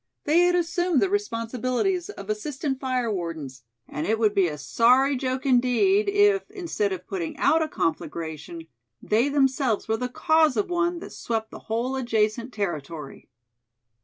They had assumed the responsibilities of assistant fire wardens; and it would be a sorry joke indeed if, instead of putting out a conflagration they themselves were the cause of one that swept the whole adjacent territory.